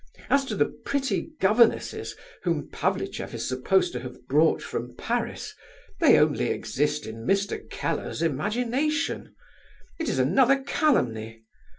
As to the pretty governesses whom Pavlicheff is supposed to have brought from Paris, they only exist in Mr. Keller's imagination; it is another calumny.